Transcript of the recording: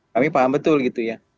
kami paham betul gitu ya